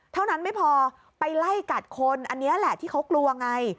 เท่านั้นไม่พอไปไล่กัดคนอันนี้แหละที่เขากลัวไง